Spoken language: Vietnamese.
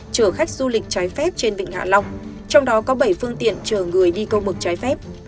chở khách du lịch trái phép trên vịnh hạ long trong đó có bảy phương tiện chở người đi câu mực trái phép